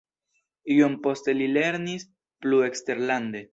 Iom poste li lernis plu eksterlande.